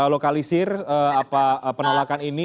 lokalisir penolakan ini